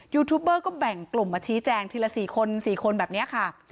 ยูทูบเบอร์ก็แบ่งกลุ่มมาชี้แจงทีละ๔คน๔คนแบบนี้ค่ะ